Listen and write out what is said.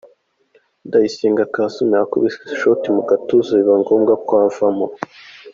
Ndayisenga Kassim yakubiswe ishoti mu gatuza biba ngombwa ko avamo.